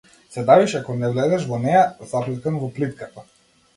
Се давиш ако не влезеш во неа, заплеткан во плитката.